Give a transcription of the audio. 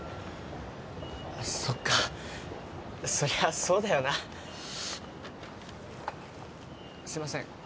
あっそっかそりゃそうだよなすいません